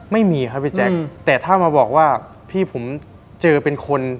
ไม่มีครับพี่แจ๊คแต่ถ้ามาบอกว่าพี่ผมเจอเป็นคน